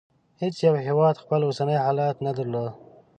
هېڅ یو هېواد خپل اوسنی حالت نه درلود.